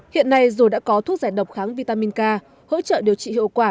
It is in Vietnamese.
hiện nay rồi đã có thuốc giải độc kháng vitamin k hỗ trợ điều trị hiệu quả